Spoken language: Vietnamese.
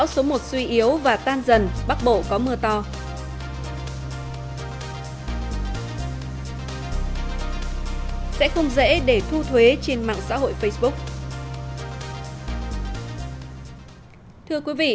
sẽ không dễ để thu thuế trên mạng xã hội facebook